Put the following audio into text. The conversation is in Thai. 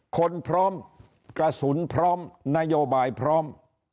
คนพร้อมกระสุนพร้อมนโยบายพร้อม